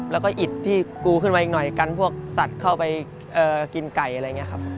แล้วก็อิดที่กูขึ้นมาอีกหน่อยกันพวกสัตว์เข้าไปกินไก่อะไรอย่างนี้ครับ